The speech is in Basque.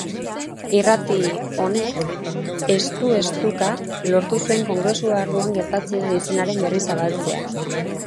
Irrati honek ezku-tuka lortu zuen kongresu barruan gertatzen ari zenaren berri zabaltzea.